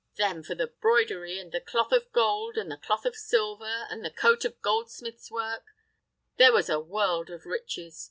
Then for the broidery, and the cloth of gold, and the cloth of silver, and the coat of goldsmiths' work: there was a world of riches!